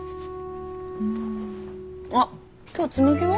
あっ今日紬は？